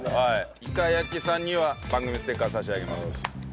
いかやきさんには番組ステッカー差し上げます。